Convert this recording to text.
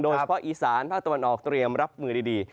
โดยเฉพาะอีสานภาคตะวันออกเตรียมรับมือดี